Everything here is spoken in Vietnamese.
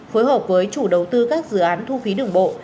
phối hợp với chủ đầu tư các dự án thu phí đường bộ